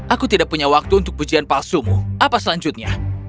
aku tidak punya waktu untuk pujian palsumu apa selanjutnya